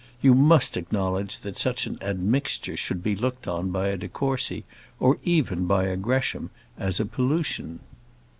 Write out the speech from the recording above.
You must acknowledge that such an admixture should be looked on by a de Courcy, or even by a Gresham, as a pollution.